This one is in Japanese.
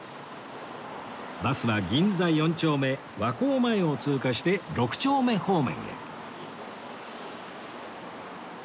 バスは銀座４丁目和光前を通過して６丁目方面へ